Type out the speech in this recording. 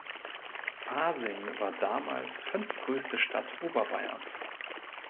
Pasing war damals fünftgrößte Stadt Oberbayerns.